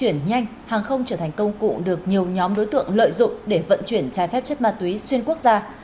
nếu khách không trở thành công cụ được nhiều nhóm đối tượng lợi dụng để vận chuyển cháy phép chất ma túy xuyên quốc gia